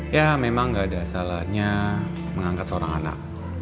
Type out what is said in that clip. ya memang nggak ada salahnya mengangkat seorang anak